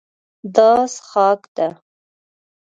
دا څښاک ده.